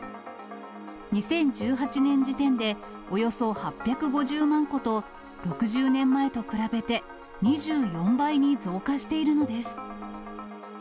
２０１８年時点で、およそ８５０万戸と、６０年前と比べて、２４倍に増加しているのです。